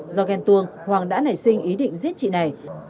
do ghen tuông hoàng đã nảy sinh ý định giết chị này